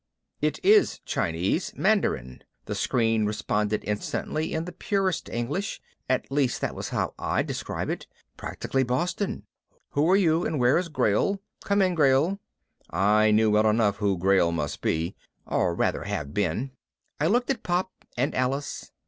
"It is Chinese. Mandarin," the screen responded instantly in the purest English at least that was how I'd describe it. Practically Boston. "Who are you? And where is Grayl? Come in, Grayl." I knew well enough who Grayl must be or rather, have been. I looked at Pop and Alice.